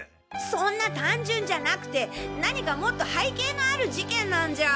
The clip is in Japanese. そんな単純じゃなくて何かもっと背景のある事件なんじゃ。